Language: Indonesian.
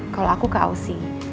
kalo aku ke oc